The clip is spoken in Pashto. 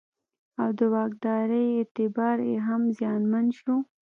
او د واکدارۍ اعتبار یې هم زیانمن شو.